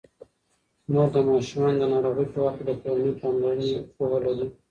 مور د ماشومانو د ناروغۍ په وخت د کورني پاملرنې پوهه لري.